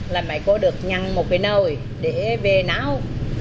là mấy cô được nhăn một cái nồi để về náo